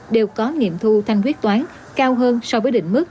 đều có nghiệm thu thanh quyết toán cao hơn so với định mức